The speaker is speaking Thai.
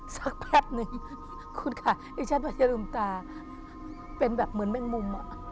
สักแป๊บหนึ่งคุณค่ะไอ้ชาติประเทศอุ่มตาเป็นแบบเหมือนแม่งมุมอ่ะ